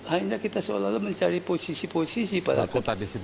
hanya kita seolah olah mencari posisi posisi pada kebetulan